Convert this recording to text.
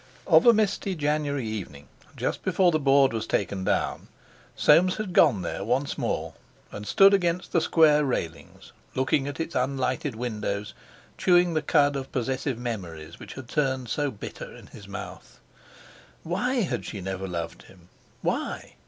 Of a misty January evening, just before the board was taken down, Soames had gone there once more, and stood against the Square railings, looking at its unlighted windows, chewing the cud of possessive memories which had turned so bitter in the mouth. Why had she never loved him? Why?